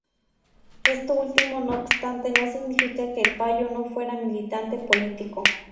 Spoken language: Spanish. Esto último no obstante no significa que El Payo no fuera militante político.